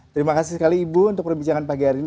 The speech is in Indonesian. terima kasih sekali ibu untuk perbincangan pagi hari ini